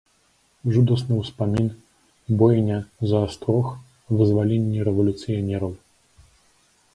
Жудасны ўспамін, бойня за астрог, вызваленне рэвалюцыянераў.